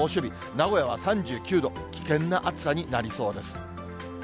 名古屋は３９度、危険な暑さになりそうです。